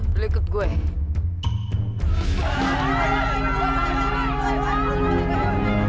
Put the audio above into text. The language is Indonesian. mereka lah yang kalian cari